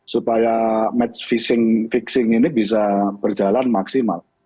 supaya match fishing fixing ini bisa berjalan maksimal